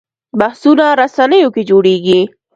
بحثونه رسنیو کې جوړېږي